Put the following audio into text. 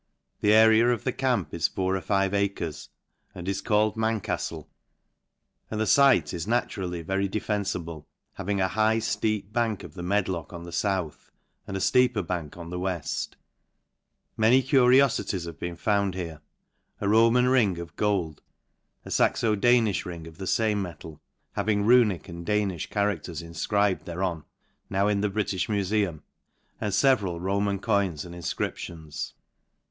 The area of the camp is four or five acres^ and is called Man cajlhy I ANCMHTR B. 275 £%fth, and the fcite is naturally very defenfible, having the high, fteep bank of the Medlock on the fouth, and a iieeper bank on the weft. Many cu riofities have been found here ; a. Roman ring of gold, a Saxo Danijh ring of the fame metal, having. Runic and Danijh characters infcri bed thereon, now in the Britijh Mufewn, and feveral Roman coins, and. infcriptions.